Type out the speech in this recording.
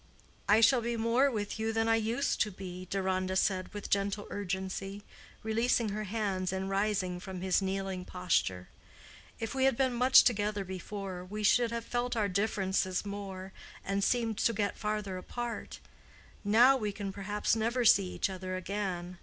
"I shall be more with you than I used to be," Deronda said with gentle urgency, releasing her hands and rising from his kneeling posture. "If we had been much together before, we should have felt our differences more, and seemed to get farther apart. Now we can perhaps never see each other again.